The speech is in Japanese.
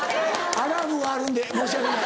アラームがあるんで申し訳ない。